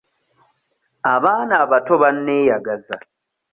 Abaana abato banneeyagaza.